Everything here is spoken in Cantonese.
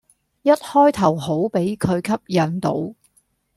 一開頭好俾佢吸引到